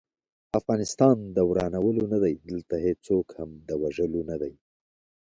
افغانستان د ورانولو نه دی، دلته هيڅوک هم د وژلو نه دی